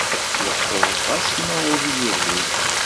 Leḥḥuɣ ɣas ma ur d iy-ihwi.